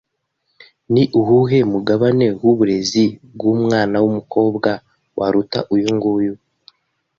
Ni uwuhe mugabane w’uburezi bw’umwana w’umukobwa waruta uyunguyu?